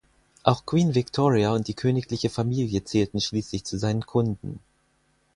Auch Queen Victoria und die königliche Familie zählten schließlich zu seinen Kunden.